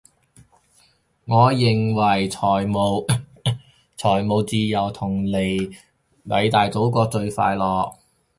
我認為財務自由同遠離偉大祖國就最快樂